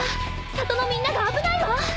里のみんなが危ないわ。